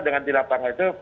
dengan di lapangan itu